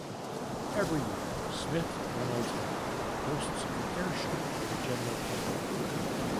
Every year, Smith Reynolds Airport hosts an air show for the general public.